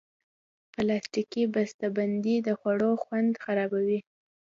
پلاستيکي بستهبندۍ د خوړو خوند خرابوي.